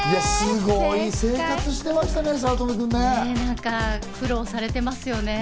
すごい生活してましたから、苦労されてますよね。